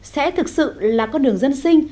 sẽ thực sự là con đường dân sinh